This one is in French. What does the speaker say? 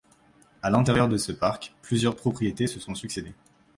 À l'intérieur de ce parc, plusieurs propriétés se sont succédé.